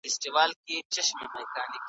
خو دا یو هم زموږ د عمر سرمنزل نه سي ټاکلای .